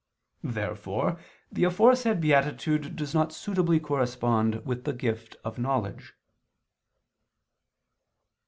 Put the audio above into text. Therefore the aforesaid beatitude does not suitably correspond with the gift of knowledge.